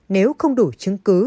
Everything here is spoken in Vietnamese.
nếu không đủ chứng cứ